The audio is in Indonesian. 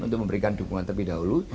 untuk memberikan dukungan terlebih dahulu